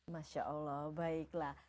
masya allah baiklah